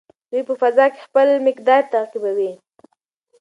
دوی په فضا کې خپل مدار تعقیبوي.